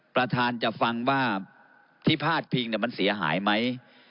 ประธานจะฟังว่าที่พาดพิงมันเสียหายไหม